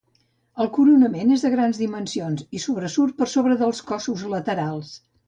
El coronament és de grans dimensions i sobresurt per sobre dels cossos laterals.